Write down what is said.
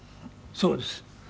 そうです。